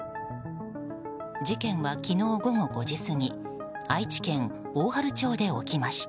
事件は昨日午後５時過ぎ愛知県大治町で起きました。